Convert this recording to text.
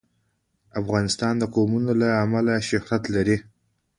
افغانستان د قومونه له امله شهرت لري.